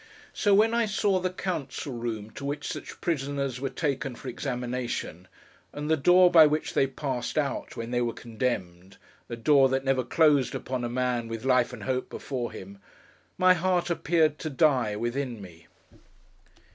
So, when I saw the council room to which such prisoners were taken for examination, and the door by which they passed out, when they were condemned—a door that never closed upon a man with life and hope before him—my heart appeared to die within me.